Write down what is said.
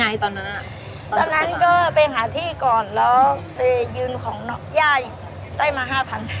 ย่ายได้มา๕๐๐๐บาท